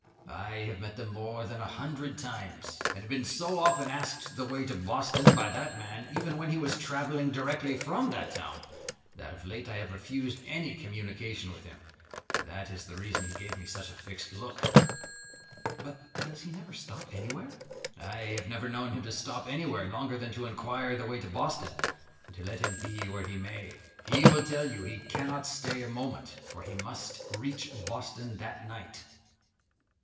I have met them more than a hundred times, and have been so often asked the way to Boston by that man, even when he was travelling directly from that town, that of late I have refused any communication with him, and that is the reason he gave me such a fixed look." "But does he never stop anywhere?" "I have never known him to stop anywhere longer than to inquire the way to Boston; and, let him be where he may, he will tell you he cannot stay a moment, for he must reach Boston that night."